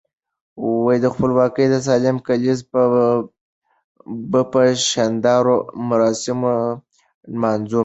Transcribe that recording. د خپلواکۍ سلم کاليزه به په شاندارو مراسمو نمانځو.